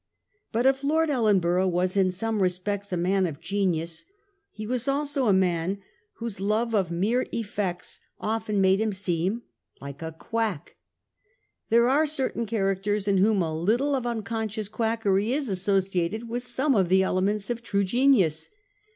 But if Lord Ellenborough was in some respects a man of genius, he was also a man whose love of 262 A HISTORY OF OUR OWN TIMES. on. xr. mere effects often made Mm seem like a quack. There are certain characters in which a little of unconscious quackery is associated with some of the elements of true genius.